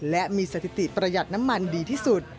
และมีสถิติประหยัดน้ำมันดีที่สุด